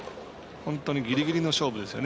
本当にギリギリの勝負ですよね。